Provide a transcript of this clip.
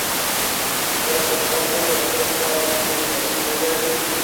ایا د خیر محمد لور به د خپل پلار په تورو لاسو وویاړي؟